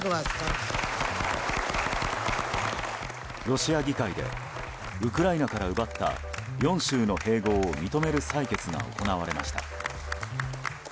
ロシア議会でウクライナから奪った４州の併合を認める裁決が行われました。